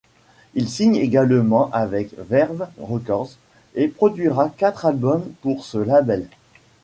Il signe également avec Verve Records et produira quatre albums pour ce label.